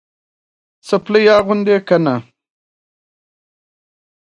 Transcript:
څپلۍ اغوندې که نه؟